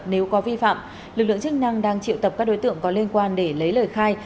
nếu có vi phạm lực lượng chức năng đang triệu tập các đối tượng có liên quan để lấy lời khai